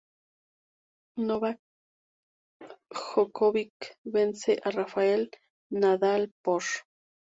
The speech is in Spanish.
Novak Djokovic vence a Rafael Nadal por.